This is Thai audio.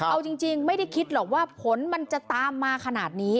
เอาจริงไม่ได้คิดหรอกว่าผลมันจะตามมาขนาดนี้